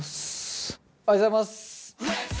おはようございます！